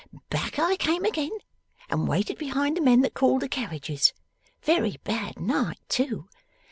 Back I came again, and waited behind the men that called the carriages. Very bad night too.